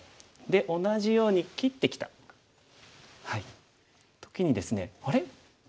で同じように切ってきた時にですねあれ？